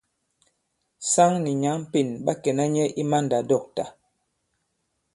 Saŋ nì nyǎŋ Pên ɓa kɛ̀na nyɛ i mandàdɔ̂ktà.